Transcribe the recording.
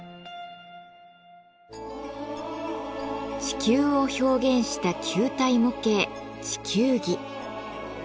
地球を表現した球体模型地球儀。